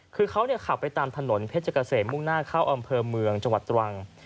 คือเขาขับไปตามถนนเพชรเกษมมุ่งหน้าเข้าอำเภอเมืองจังหวัดตรัง